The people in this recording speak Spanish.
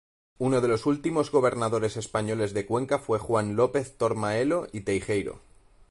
Uno de los últimos gobernadores españoles de Cuenca fue Juan López-Tormaleo y Teijeiro.